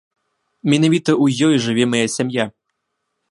Менавіта ў ёй жыве мая сям'я.